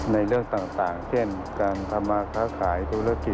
ในเรื่องต่างเช่นการทำข้าวคล้ายธุรกิจ